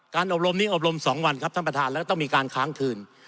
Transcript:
อบรมนี้อบรม๒วันครับท่านประธานแล้วก็ต้องมีการค้างคืน